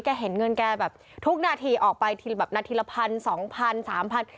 เห็นเงินแกแบบทุกนาทีออกไปทีแบบนาทีละพันสองพันสามพัน